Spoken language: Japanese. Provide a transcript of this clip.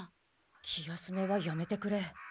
気休めはやめてくれ。